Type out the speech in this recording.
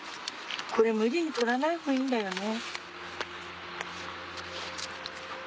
これ無理に取らない方がいいんだよね。